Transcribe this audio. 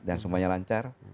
dan semuanya lancar